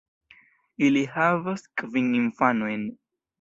Ili havas kvin infanojn.